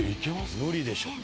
無理でしょ。